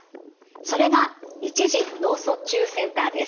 それが一次脳卒中センターです。